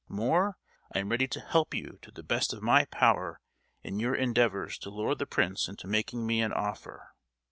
More! I am ready to help you to the best of my power in your endeavours to lure the prince into making me an offer.